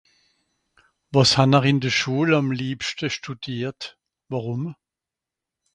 wàs hannr ìn de schul àm liebschte studiert wàrùm